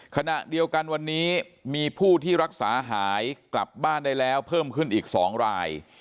ขณะเดียวกันวันนี้มีผู้ที่รักษาหายกลับบ้านได้แล้วเพิ่มขึ้นอีก๒ราย